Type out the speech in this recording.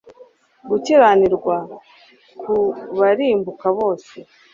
gukiranirwa ku barimbuka bose